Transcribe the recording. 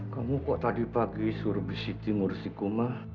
kamu kok tadi pagi suruh bisiti ngurusin kuma